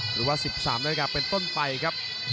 หรือว่า๑๓นาฬิกาเป็นต้นไปครับ